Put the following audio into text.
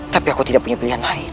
tapi aku tidak punya pilihan lain